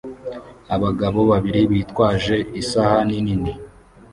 Abagabo babiri bitwaje isahani nini